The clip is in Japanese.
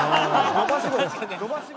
伸ばし棒。